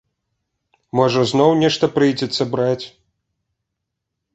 Можа зноў нешта прыйдзецца браць?